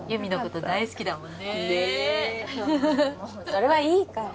それはいいから。